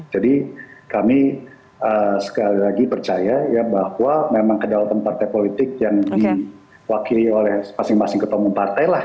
jadi kami sekali lagi percaya ya bahwa memang kedalaman partai politik yang diwakili oleh masing masing ketumum partai lah